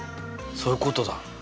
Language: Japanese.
そういうことだ。